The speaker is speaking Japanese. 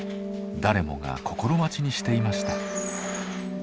誰もが心待ちにしていました。